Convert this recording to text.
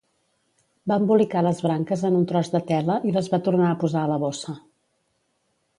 Va embolicar les branques en un tros de tela i les va tornar a posar a la bossa.